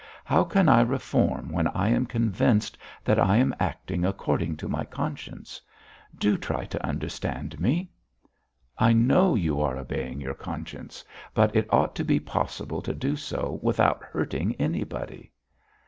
"How can I reform when I am convinced that I am acting according to my conscience? Do try to understand me!" "I know you are obeying your conscience, but it ought to be possible to do so without hurting anybody."